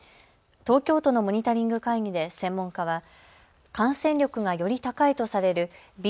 東京都のモニタリング会議で専門家は感染力がより高いとされるＢＡ．